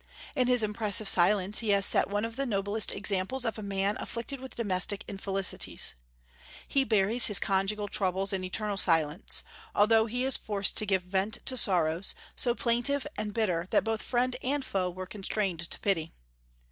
In his impressive silence he has set one of the noblest examples of a man afflicted with domestic infelicities. He buries his conjugal troubles in eternal silence; although he is forced to give vent to sorrows, so plaintive and bitter that both friend and foe were constrained to pity.